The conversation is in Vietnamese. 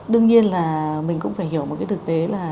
đương nhiên là mình cũng phải hiểu một cái thực tế là